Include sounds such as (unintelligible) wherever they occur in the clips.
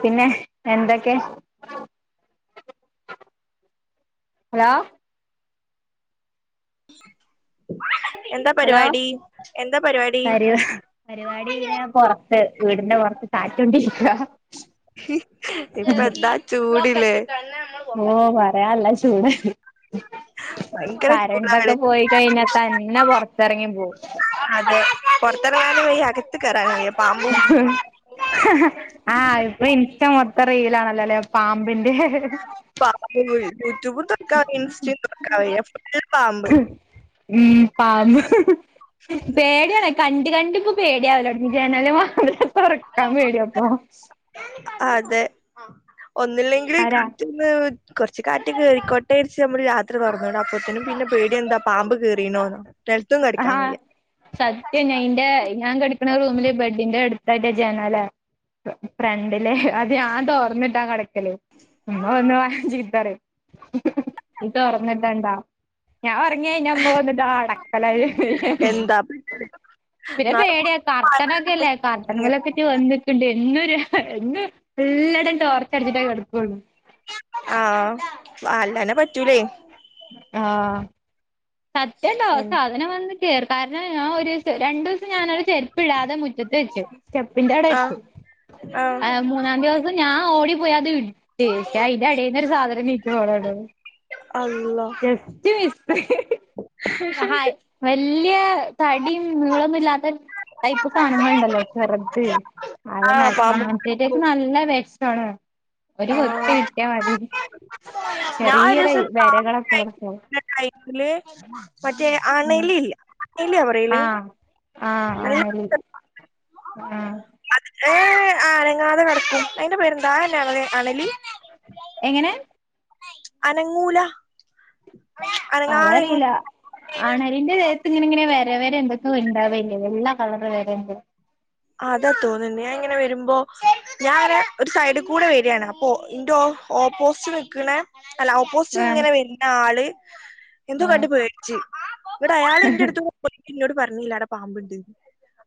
പിന്നെ എന്തൊക്കെ ഹലാ എന്താ ഹലോ പരിപാടി എന്താ പരിപാടി പരിപാ പരിപാടി ഇങ്ങനെ പുറത്ത് വീടിന്റെ പുറത്ത് കാറ്റ് കൊണ്ട് ഇരിക്കുവാ ഇപ്പ എന്താ ചൂട് ഇല്ലേ ഓ പറയാല്ലേ (unintelligible) ഭയങ്കര കരണ്ടൊക്കെ ചൂടാണ് പോയി കഴിഞ്ഞാ തന്നെ പൊറത്തിറങ്ങി പോകും (unintelligible) അകത്തു കയറാൻ ആ ഇപ്പ ഇൻസ്റ്റ മൊത്തം റീലാണ് ഇന്നലെ പാ- പാമ്പ് (unintelligible) യൂട്യൂബും തുറക്കാൻ വയ്യ ഇൻസ്റ്റയും തുറക്കാൻ വയ്യ ഫുൾ പാമ്പ് ഉം പാമ്പ്‌ പേടിയാണ് കണ്ട് കണ്ട് പേടിയാവല് തൊടങ്ങി ജനലും വാതി തൊറക്കാൻ പേടിയാപ്പൊ അതെ ഒന്നില്ലെങ്കിൽ ആരാ (unintelligible) കൊറച്ച് കാറ്റ് കേറിക്കോട്ടെ ര്ച്ച് നമ്മൾ രാത് (unintelligible) അപ്പത്തിനും പിന്നെ പേടി എന്താ പാമ്പ് കേറീണോന്നോ നിലത്തും ആഹ കെടക്കാൻ വയ്യ സത്യം ഞാ ഇന്റെ ഞാൻ കിടക്കണ റൂമില് ബെഡ് അതിന്റെ അടുത്തായിട്ട ജനാല ഫ്രണ്ടിലെ അത് ഞാൻ തോർന്നിട്ടാ കിടക്കല് ഉമ്മ വന്ന് പറയും നീ തുറന്നിടണ്ട ഞാൻ ഉറങ്ങിക്കഴിഞ്ഞ ഉമ്മ വന്നിട്ട് ഹാ (unintelligible) എന്താ പിന്നെ പേടിയാ കർട്ടനൊക്കെയല്ലേ കർട്ടൻ (unintelligible) വന്നിട്ടണ്ട് എന്നൊരു എന്നെ (unintelligible) ഓർത്ത് അടച്ചിട്ടേ കെടുക്കുള്ളു ആഹ് അല്ലാനെ പറ്റൂലേയ് ആഹ് സത്യണ്ടോ എന്ത് സാധനം വന്നി കാരണം ഞാൻ ഒരു ദിവസം രണ്ടു ദിവസം ഞാനടെ ചെരുപ്പ്‌ ഇടാതെ മുറ്റത്ത് വെച്ചു സ്റ്റെപ്പിന്റെട ആഹ് വെച്ച് ആ മൂന്നാം ദിവസം ഞാൻ ഓടി പോയി അത് ഇട- തീർച്ചയായും തിന്റെ എടേന്നു ഒരു സാധനം (unintelligible) അള്ളാ ജസ്റ്റ് മിസ് വല്യ തടിയും നീളൊന്നും ഇല്ലാത്ത ടൈപ്പ് സാധനങ്ങളുണ്ടല്ലോ ചെറുത് അ ആഹ് പാമ്പ് അങ്ങനത്തക്കെ നല്ല വെഷം (unintelligible) ഒരു (unintelligible) ആഹ് കിട്ടിയാ മതി ചെറിയൊരു വെരകളൊ (unintelligible) ടൈമിൽ മറ്റേ ആണലി ഇല്ലേ ഇല്യ പറയല് ആ നല്ല ആണലി ആ ഏ ആ അനങ്ങാതെ കിടക്കും അതിൻ്റെ പേര് എന്താ ന്നെ അണലി എങ്ങനെ അനങ്ങൂല അനങ്ങാതെ ഇങ്ങ അതറിയില്ല അണലിൻ്റെ ദേഹത്ത് ഇങ്ങനെ വരവര എന്തെക്കെയോ ഉണ്ടാകൂലേവെള്ള കളറ് വേരണ്ട് അതാ തോന്നുന്നു ഞാൻ ഇങ്ങനെ വരുമ്പോ ഞാൻനെ ഒരു സൈഡ് കൂടെ വരാ ണ് അപ്പൊ ന്റെ ഓ ഓപോസിറ്റ് നിക്കണേ അല്ല ഓപ്പോസിറ്റ് ആഹ് ഇങ്ങനെ വരുന്ന ആൾ എന്തോ ആഹ് കണ്ട് പേടിച്ചു ഇവിടെ അയാൾ എൻ്റെടുത്ത് (unintelligible) ഇ ന്നോടു പറഞ്ഞില്ല അവിടെ പാമ്പുണ്ട്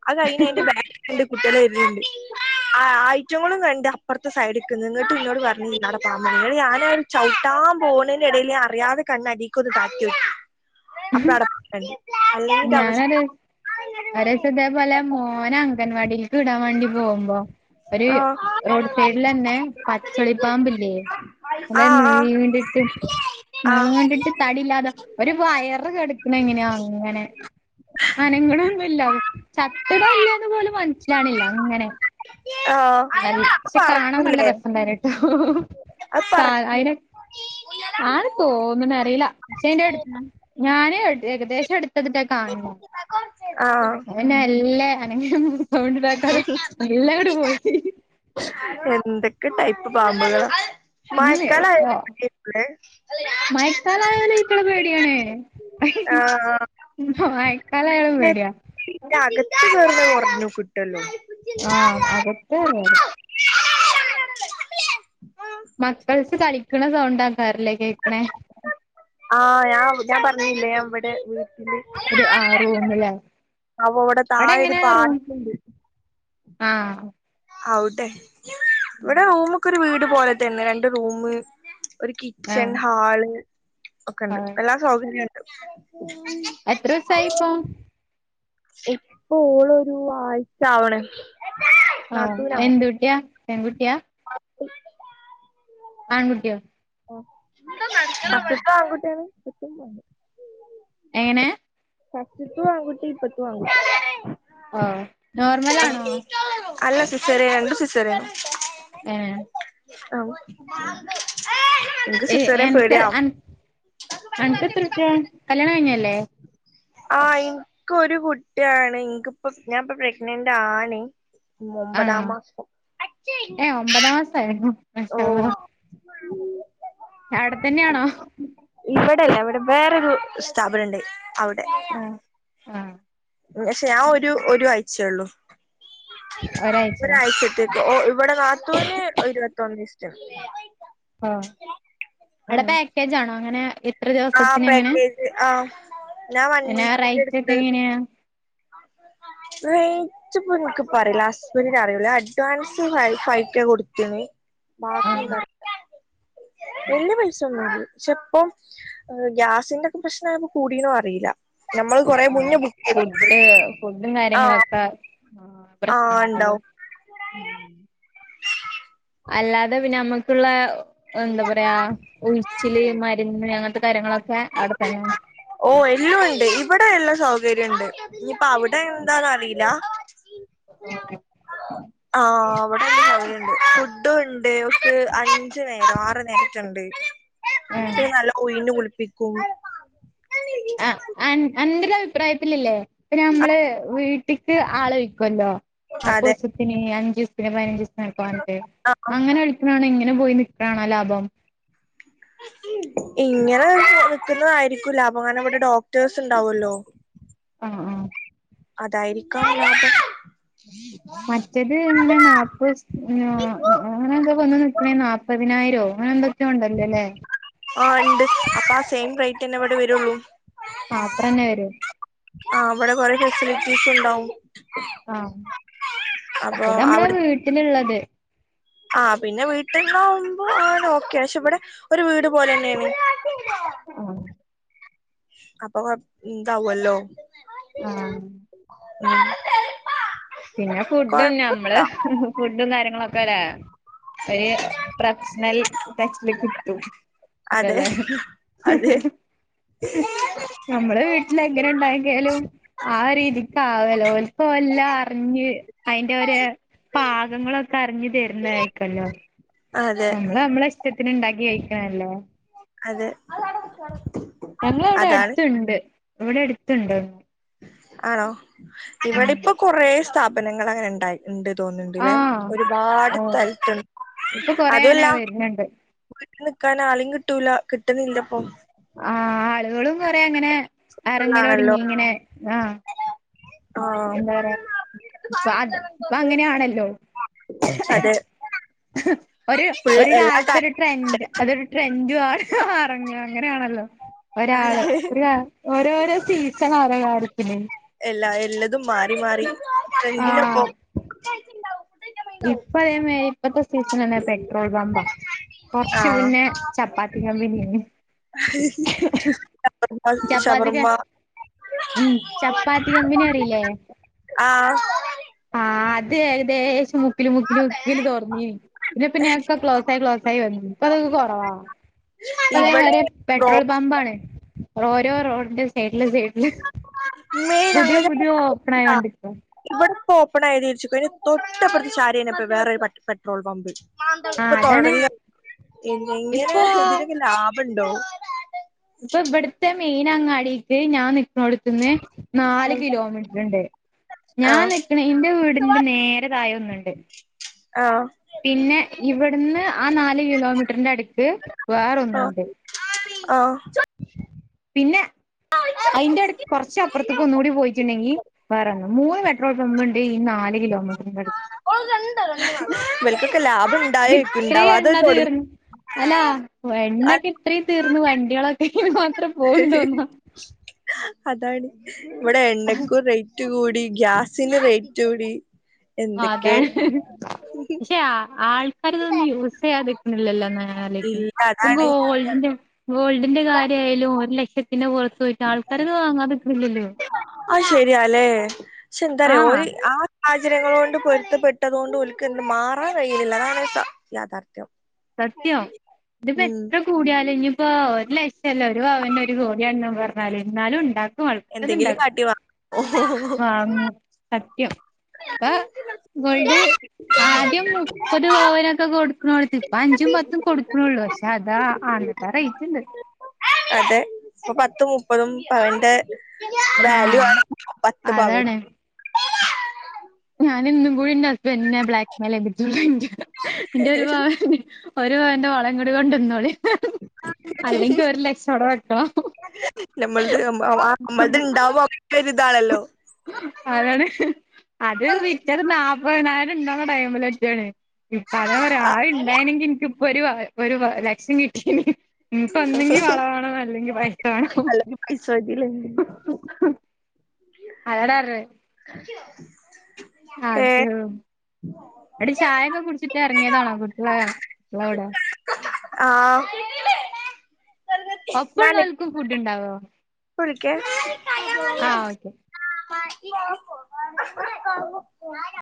അഇഹ് കഴിഞ്ഞ് അയിന്റെ ബാക്ക് കുട്ട്യാള് വര്ണ്ട് ആഐറ്റങ്ങളും കണ്ട് അപ്പുറത്തെ സൈഡ് ക്ക് ന്ന് ഇ ന്ന്ട്ട്നിങ്ങിട്ട് ഇന്നോട് പറഞ്ഞു അവ്ടെ പാമ്പ്ണ്ട് ഇങ്ങട്ട് ഞാനത് ചവിട്ടാൻ പോകണതിന്റെടയിൽഞൻ അറിയാതെ കണ്ണാടിക്ക് ഒന്ന് (unintelligible) ഇന്റെ അവസ്ഥ ങ്‌ഹ്ഞാനൊരു ഒരട്ടം ഇതേപോലെ മോനാണ് അംഗൻവാടിയിലേക്ക് വിടാൻ വേണ്ടി പോകുമ്പോൾ ഒരു ആ റോഡ് സൈഡിൽ തന്നെ പച്ചളി പാമ്പില്ലേ ആ നല്ല നീണ്ടിട്ട് ആ നീണ്ടിട്ട് തടിയില്ലാതെ ഒരു വയറു കിടക്ണഎങ്ങനാ അങ്ങനെ അനങ്ങണൊ ന്നൂല അത് ചത്ത്. ട്ടൊന്നൂ ലന്ന്പോലും മനസ്സിലാവുന്നില്ല ആ അത് (unintelligible) കാണാൻ നല്ല പറക്കൂലേ രസംണ്ടായിരുന്നു അത് ട്ടോ പറ അഅയിനെ നെ ആണെന്നു തോന്ന്ണ് അറീല പക്ഷെ അയ്ന്റെ ഏകദേശം അടുത്ത്, (unintelligible) കാണ് ണ് ആ അവനല്ല (unintelligible) (unintelligible) എന്തൊക്കെ ടൈപ്പ് പാമ്പുകളാ മഴക്കാലം ആയാൽ ആഹ് മതിയാരുന്നു അല്ലേ മയക്കാലായാലും ഇൻക്കടെ പേടിയാണ്. ആ മയക്കാലായാലും പേടിയാ. ക്ഷെഅകത്ത് കേറും കുറഞ്ഞു കിട്ടുവല്ലോ ആ അകത്ത് കേറും അത് മക്കൾ കളിക്കുന്ന സൗണ്ടാണ് (unintelligible) ആഹ് ഞാൻ ഞാൻ പറഞ്ഞില്ലേ ഇവിടെ ഒരു ആഹ് റൂമിലെ അവ അവിടെ താഴൊരു എങ്ങനെയാ റൂം പാർക്കുണ്ട് ആഹ് ആവട്ടെ (inaudible) ഇവിടെ റൂമൊക്കൊരു വീ അത് പോലെ തന്നെ രണ്ട് റൂമ് ഒരു കിച്ചൺ ആഹ് ഹാള് ഒക്കെണ്ട് ആഹ് എല്ലാ സൗകര്യ എത്ര വയസായിപ്പോ ഇപ്പ ഓളൊരു ആഴ്ച്ചാവണ് ആഹ് എന്തുട്ടിയാ പെൺകുട്ടിയാ ആൺകുട്ടിയോ? ആ ഉം. (unintelligible) (unintelligible) എങ്ങനെ ഫസ്റ്റത്തും ആൺകുട്ടി ഇപ്പത്തും ആൺകുട്ടി ആഹ് നോർമലാണോ? അല്ല സിസേറിയനാ രണ്ടും സിസേറിയനാ ഏഹ് ആഹ് എനിക്ക് സിസേറിയൻ എനക്ക് പേടിയാ അൻ അനക്കെത്ര കുട്ട്യാ കല്യാണം കഴിഞ്ഞയല്ലേ? ആഹ് എനിക്കൊരു കുട്ടിയാണ്, ഇനക്ക്പ്പ ഞാൻ ഇപ്പ പ്രെഗ്നന്റാണ്‌. ആഹ് ഏ ഓഹ് ഒമ്പതാംസായായിരുന്നോ? (unintelligible) ഇല്ലടെ അവിടെ വേറൊരു സ്ഥാപനിണ്ട്. അവിടെ ആഹ് ആഹ് പക്ഷെ ഞ ഒരു ഒരു ആഴ്ചയള്ളൂ ഒരാഴ്ചയോ ഒരാഴ്ചത്തേക്ക് ഓഹ് ഇവിടെ നത്തുന് ഇരുപത്തൊ (unintelligible) ആ അവിടെ പാക്കേജാണോ അങ്ങനെ എത്ര ആ ദിവസത്തിന് എങ്ങനെ പാക്കേജ് ആ ഞാൻ വൺ പിന്നെ വീക്കിന്റെ റേറ്റ് ഒക്കെ എടുത്ത് എങ്ങനെയാ (unintelligible) എനക്ക് പറയില്ല ഹസ്ബൻഡിന് അറിയൂല അഡ്വാൻസ് ഫൈക്ക കൊടുത്തന് മാസ വ ആഹ് (unintelligible) എന്ത് പൈസൊന്നതീ ക്ഷെ ഇപ്പം ഗ്യാസിന്റെ ക്കെ പ്രശ്നപ്പോ കൂടിയോന്നും അറിയില്ല നമ്മള് കൊറെ ആണോ മുന്നേ ബുക്ക് ചെയ്ത് ഫുഡ് ഫുഡും ആ കാര്യങ്ങളൊക്കെ ആ പ്രശ്നങ്ങള ഉണ്ടാവും അല്ലാതെ പിന്നെ നമ്മുക്കുള്ള എന്താ പറയാ ഉഴിച്ചില് മരുന്ന് അങ്ങനത്തെ കാര്യങ്ങളൊക്കെ അവിടെത്തന്നെ ഓ എല്ലാം ഉണ്ട് ഇവിടെ എല്ലാ സൗകര്യം ണ്ട് ഇ അപ്പൊ അവിടെ എന്താന്ന അറിയില്ല ഓക്കെ ആ അവിടൊക്കെ ഫുഡും ണ്ട് ഒ അഞ്ചു നേരം ആറ് നേരക്ക ണ്ട് ആഹ് (unintelligible) പ്പിക്കും ആ അന്ന അന്റെ അഭിപ്രായത്തിലില്ലേ പ്പ നമ്മള് വീട്ടിക്ക് ആളെ വയ്ക്കുല്ലോ അതെ പത്തുദിവസത്തിനു അഞ്ച് (unintelligible) ക്കാനട്ട് ആഹ് അങ്ങനെ വിളിക്കണതാണോ ഇങ്ങനെ അങ്ങനെ പോയി നിക്കണോ ലാഭം. ഇങ്ങനെ നിക്കുന്നതായിരിക്കും ലാഭം കാരണം ഇവിടെ ഡോക്ടേഴ്സുണ്ടാവുല്ലോ. ആ ആ അതായിരിക്കാം ലാഭം. മറ്റത് ഇങ്ങനെ നാപസ് ഇങ്ങനെ അങ്ങനെ എന്തോ വന്ന് നിക്കണേന് നാപ്പതിനായിരവൊ ആ ഇണ്ട് അപ്പ ആ സെയിം റെയിറ്റ് റ്റന്നെ ഇവിടെ വരുള്ളൂ. അത്രന്നെ വരൂ. ത്രീ പീസ് ഉണ്ടാവും. ആം അപ്പൊ മറ്റേ നമ്മടെ അവിടെ വീട്ടിലുള്ളത്. ആ പിന്നെ വീട്ടിലാവുമ്പോ അവൻ ഓക്കെ പക്ഷെ ഇവിടെ ഒരു വീട് പൊലന്നെയാണ്. ആ അപ്പൊ കൊ ന്താകുവല്ലോ. ആ ഉം പിന്നെ ഫുഡന്ന കൊഴപ്പല്ല നമ്മള് ഫുഡും കാര്യങ്ങളൊ ക്കല്ലേ ഒരു പ്രൊഫഷണൽ ടച്ചില് കിട്ടും അതെ ഇല്ല ന്തലെ അതെ നമ്മള വീട്ടില എങ്ങനെ ഉണ്ടായെങ്കിലും ആ രീതിക്ക് ആവല്ല ഒ ഹല്ല അറിഞ്ഞ് അയിന്റെ ഒരു പാകങ്ങളൊക്കെ അറിഞ്ഞ് തരുന്ന ആയിരിക്കല്ലോ അതെ നമ്മള് നമ്മളെ ഇഷ്ടത്തിന് ഉണ്ടാക്കി കഴിക്കണോല്ലോ അതെ ഞങ്ങളവിടെ അതാണ് അടുത്തുണ്ട് ഇവിടെ അടുത്തുണ്ടോ ആണോ ഇവിടെപ്പൊ കൊറ സ്ഥപ നങ്ങ (unintelligible) അങ്ങനെ ഉണ്ടായി ഉണ്ട് തോന്നുന്നുണ്ട്ല്ലേ ആഹ് ഒരുപാട് ഓ സ്ഥലത്തുണ്ട് ഇപ്പൊ കൊറേ അങ്ങനെ അതുമല്ല വരുന്നുണ്ട് വീട്ടിനിക്കാനോ അല്ലെങ്കിൽ കിട്ടൂല്ല കിട്ടുന്നില്ലപ്പൊ ആ ആളുകളും കൊറ അങ്ങനെ അറങ്ങല ആണല്ലോ ഒടുങ്ങി ഇങ്ങനെ ആ എന്താ പറയാ ആഹ് ഇപ്പൊ അത് ഇപ്പൊ അങ്ങനെയാണല്ലോ അതെ ഒരു ഫുൾ ഒരു എല്ലാ കാലത്ത് കാര്യ ഒരു ട്രെൻഡ് അതൊരു ട്രെൻഡ ആണ് ആ അറങ്ങ അങ്ങനെയാണല്ലോ അതെ ഒരാള് എയാ (unintelligible) ഓരോരോ സീസൺ അലങ്കാരത്തിന് എല്ല എല്ല അതും മാറി മാറി ട്രെൻഡിനൊപ്പം ഇപ്പഴ് ഇപ്പത്തെ സീസൺ തന്നെ പെട്രോൾ പമ്പാ കൊറച്ചു ആഹ് പിന്നെ ചപ്പാത്തി പി ശവർമ്മ ചപ്പാത്തി ക ശവർമ്മ ഉം ചപ്പാത്തി കമ്പിനി അറിയില്ലേ ആ ആ അതെ അതെ മുക്കില് മുക്കില് മുക്കില് തോർന്നി പിന്നെ പിന്നെ ഒക്കെ ക്ലോസ് ആായി ക്ലോസ് ആായി വന്നു അപ്പ അതൊക്കെ കുറവാ അ അതേമാ ഇവിടെ ബ്രോ പെട്രോൽ പമ്പ ആേ ഓരോ റോഡിന്റെ സൈഡില് സൈഡില് മ്മേ പുതിയോ പുതിയോ ഓപ്പണായികൊണ്ടിക്കും ഇപ്പ ഓപ്പ ആതിച്ചു തൊട്ടപ്പുറത്തു ചാരിനപ്പ വേറെ പെട്രോൾ പമ്പ് ആ ഇ (inaudible) അതാണ് തുടങ്ങ ഇങ്ങനെ ഇപ്പോ ഇതിലൊക്കെ ലാഭ (inaudible) ഉണ്ടോ ഇപ്പൊ ഇവിടുത്തെ മെയിൻ (inaudible) ഞാൻ ടുത്ത്ന്ന് നാല് ഉം കിലോമീറ്റർ ഉണ്ട് ഞാൻ ആഹ് നിക്കണ എന്റെ വീടിന്റെ നേരതായ ഒന്ന് രണ്ട് ആഹ് പിന്നെ ഇവിടുന്ന് ആ നാാലു കിലോമീറ്ററിന്റെ അടുത്ത് വേറെ ഒന്നുംുണ്ട് ആഹ് ആഹ് പിന്നെ അതിന്റെടു കൊറച്ച അപ്പുറത്തപ്പ ഒന്ന കൂടി പോയിട്ടുണ്ടെങ്കി വേറെന്നു മൂന്ന് പെട്രോൾ പമ്പ ഉണ്ട് ഈ നാാല കിലോമീറ്ററിന്റെ അടുത്ത് ഇവൽക്കൊക്കെ ലാഭം ഇണ്ടായേക്കും ഇത്രയും ഇണ്ടാവാതെ എണ്ണ തൊടങ്ങും തീർന്ന്ു അല്ലാ എണ്ണൊക്കെ ഇത്രയും തീർന്നു വണ്ടികളൊക്കെ എ മാത്രം പോണ്ടോന്നോ അതാണ് ഇവിടെ എണ്ട (inaudible) റ്റ് കൂടി ഗ്യാസിന്റെ റേറ്റ് കൂടി ആ എന്തൊക്കെ അതാണ് പക്ഷെ ആൾക്കാർ ഇതൊന്നും യൂസ് ചെയ്യാത ല്ല ഇ ഇല്ല (inaudible) അതാണ് ഗോൾഡിന്റെ ഗോൾഡിന്റെ കാര്യ ആയാലും ഒരു ലക്ഷ പിന്നെ പുറത്തു പോയിട്ട് ആൾക്കാരത് വാങ്ങാതിട്ടില്ലല്ലോ അത് ശരിയാല്ലേ ആഹ സാഹചര്യങ്ങളൾ കൊണ്ട് പൊരുത്തപ്പെട്ടതുകൊണ്ട് ഒരിക്കും മാറാൻ കഴിയില്ല എന്നാണ് യാഥാർത്ഥ്യം സത്യം ഇതിപ്പോ ഉം എത്ര കൂടിയാലും ഇ ഇപ്പ ഒരു ലക്ഷ്യല്ല ഒരു ഭവൻന്റെ ഒരു ഗോലിയാണെന്ന് പറഞ്ഞാല് എന്നാലും ഉണ്ടാക്കും ആൾക്കാരത് എന്തെങ്കിലും ഉണ്ടാക്കും കാട്ടി വ അപ്പ ഗോൾഡ് ആദ്യം മുപ്പത് വനൊക്കെ കൊടുക്കണടു അഞ്ചും പത്തും കൊടുക്കണള്ളൂ പക്ഷെ അതാ അന്നത്തൊ റേറ്റ് ഇണ്ട് അതെ ഇപ്പൊ പത്തും മുപ്പതും പവന്റെ വാല്യൂ ആഹ് ആണ് പത്ത് പവൻ അതാണ് ഞാൻഇന്നുംകൂടി എന്റെ (inaudible) ന്നെ ബ്ലാക്ക്മെയിൽ (inaudible) എന്റെ ഒരു പവൻ ഒരു പവന്റെ വളംങ്കടി കൊണ്ട ഇന്നോളി അവിടെ വെക്കണം നമ്മൾത് നമ്മളത് ഇണ്ടവോ അതാണ് അത് (inaudible) ഇത് ണ്ടാവ്ണ ടൈമിൽ ഒകെണ് ഇപ്പാനെ പറയാ ആ ആരുണ്ടായനെങ്കി എനിക്ക് ഒരു വ ഒരു വ ലക്ഷ്യം കിട്ടിയന് ഇപ്പ ഒന്നുങ്കി വള വേണം അല്ലെങ്കി പൈസ വേണം അല്ലെങ്കി പൈസ മതില്ലേ (unintelligible) (unintelligible) ഏ അത് അവിടെ ചായൊക്കെ കുടിച്ചിട്ട് ഇറങ്ങിയതാണോ കുട്ട്യള് കുട്ട്യള കൂടെ ആഹ് ഒപ്പം ഉള്ളോർക്കും ഫുഡ് ഉണ്ടാവോ കുളിക്ക ആ ഓക്കെ (unintelligible) (unintelligible)